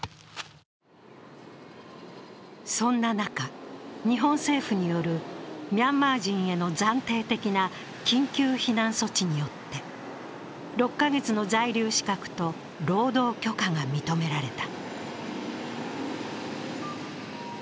そんな中、日本政府によるミャンマー人への暫定的な緊急避難措置によって、６カ月の在留資格と労働許可が認められた。